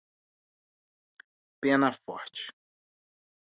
Penaforte